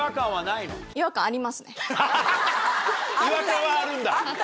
違和感はあるんだ。